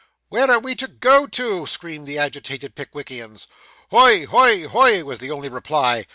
'Where are we to go to?' screamed the agitated Pickwickians. 'Hoi hoi hoi!' was the only reply.